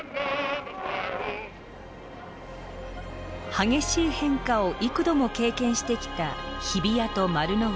激しい変化を幾度も経験してきた日比谷と丸の内。